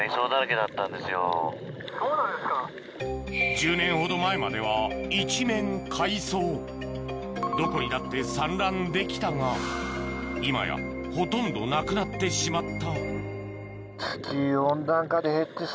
１０年ほど前までは一面海藻どこにだって産卵できたが今やほとんどなくなってしまった